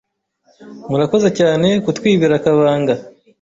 Murakoze Cyane Kutwibira Akabanga